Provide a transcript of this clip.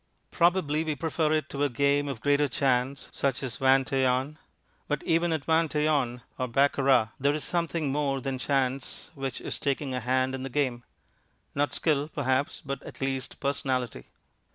Probably we prefer it to a game of greater chance, such as vingt et un. But even at vingt et un or baccarat there is something more than chance which is taking a hand in the game; not skill, perhaps, but at least personality.